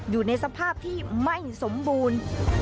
อยู่ในสภาพที่ไม่สมบูรณ์